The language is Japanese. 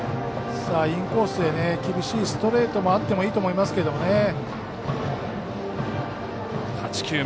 インコースへ厳しいストレートもあってもいいと思いますけどね。